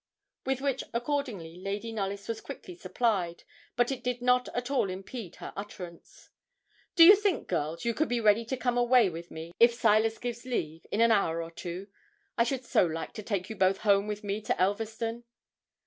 With which accordingly Lady Knollys was quickly supplied; but it did not at all impede her utterance. 'Do you think, girls, you could be ready to come away with me, if Silas gives leave, in an hour or two? I should so like to take you both home with me to Elverston.'